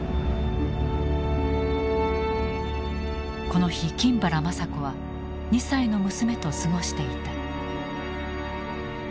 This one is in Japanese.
この日金原まさ子は２歳の娘と過ごしていた。